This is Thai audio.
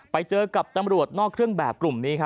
ไปเจอกับตำรวจนอกเครื่องแบบกลุ่มนี้